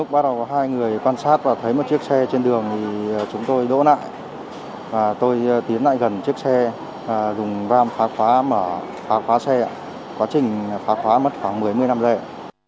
bạn sát và thấy một chiếc xe trên đường thì chúng tôi đỗ lại tôi tiến lại gần chiếc xe dùng ram khóa xe quá trình khóa khóa mất khoảng một mươi một mươi năm giây